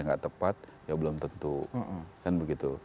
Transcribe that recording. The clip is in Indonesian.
nggak tepat ya belum tentu